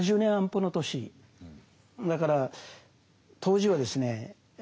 だから当時はですね